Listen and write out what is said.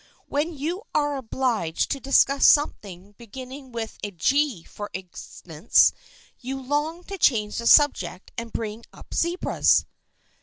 When you are obliged to discuss something beginning with a G for instance, you long to change the subject and bring up zebras."